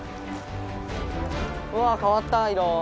うわかわった色。